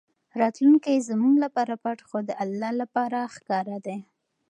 راتلونکی زموږ لپاره پټ خو د الله لپاره ښکاره دی.